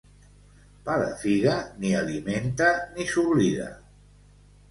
Pa de figa, ni alimenta ni s'oblida.